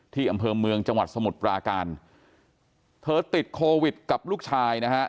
อำเภอเมืองจังหวัดสมุทรปราการเธอติดโควิดกับลูกชายนะฮะ